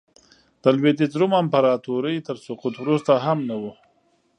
د لوېدیځ روم امپراتورۍ تر سقوط وروسته هم نه و